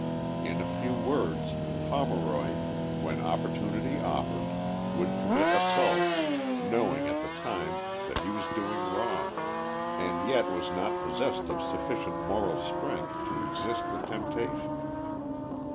In a few words, Pomeroy, when op portunity offered, would commit assaults, knowing at the time that he was doing wrong, and yet was not possessed of sufficient moral strength to resist the temptation.